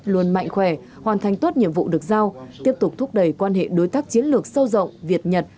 luôn mạnh khỏe hoàn thành tốt nhiệm vụ được giao tiếp tục thúc đẩy quan hệ đối tác chiến lược sâu rộng việt nhật